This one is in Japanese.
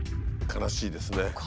悲しいです。